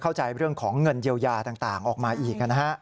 เข้าใจเรื่องของเงินเยียวยาต่างออกมาอีกนะฮะ